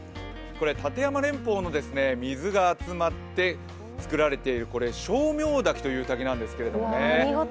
立山連峰の水が集まって作られている称名滝という滝なんですけどね